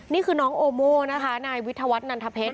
นี่คือน้องโอโม่นะคะนายวิทยาวัฒนันทเพชร